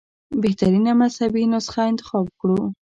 بهترینه مذهبي نسخه انتخاب کړو.